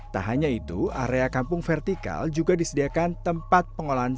tak hanya itu area kampung vertikal juga disediakan tempat pengolahan sampah